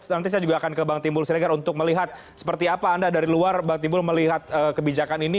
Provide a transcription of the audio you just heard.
nanti saya juga akan ke bang timbul siregar untuk melihat seperti apa anda dari luar bang timbul melihat kebijakan ini